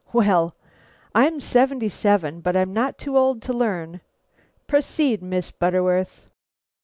Well, I'm seventy seven, but I'm not too old to learn. Proceed, Miss Butterworth."